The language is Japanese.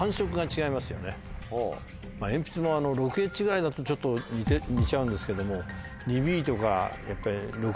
鉛筆の６Ｈぐらいだとちょっと似ちゃうんですけども。